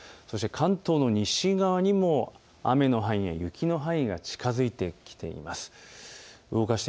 そして関東の西側にも雨や雪の範囲が近づいてきています。